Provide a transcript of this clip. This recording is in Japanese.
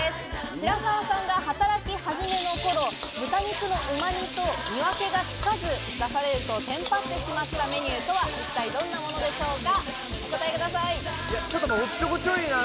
白澤さんが働き始めの頃、豚肉のうま煮と見分けがつかず出されるとテンパってしまったメニューとは一体どんなものでしょうか？